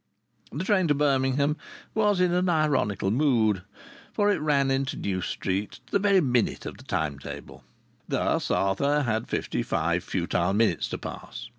The train to Birmingham was in an ironical mood, for it ran into New Street to the very minute of the time table. Thus Arthur had fifty five futile minutes to pass.